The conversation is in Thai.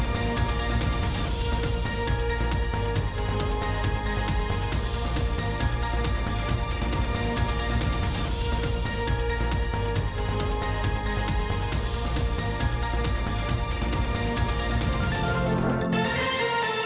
โปรดติดตามตอนต่อไป